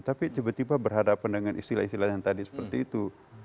tapi tiba tiba berhadapan dengan istilah istilah yang tadi seperti itu